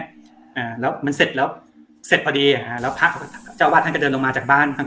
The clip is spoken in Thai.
อ่าแล้วมันเสร็จแล้วเสร็จพอดีอ่าแล้วพระเจ้าวาดท่านก็เดินลงมาจากบ้านข้าง